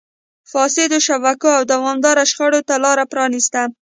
فاسدو شبکو او دوامداره شخړو ته لار پرانیسته.